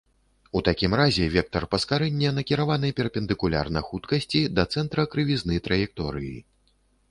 У такім разе вектар паскарэння накіраваны перпендыкулярна хуткасці, да цэнтра крывізны траекторыі.